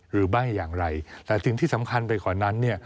หรือบ้างอย่างไรแต่สิ่งที่สำคัญไปก่อนนั้น